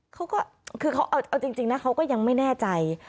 เขาก็คือเขาเอาจริงนะเขาก็ยังไม่แน่ใจ